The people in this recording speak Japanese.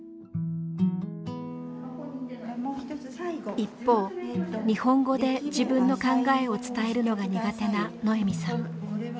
一方日本語で自分の考えを伝えるのが苦手なノエミさん。